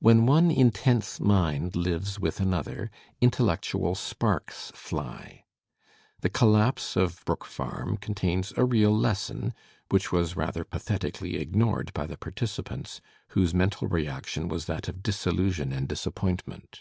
When one intense mind lives with another, intellectual sparks fly. The collapse of Brook Parm contains a real lesson, which was rather pathetically ignored by the participants, whose mental reaction was that of disillusion and disappoint ment.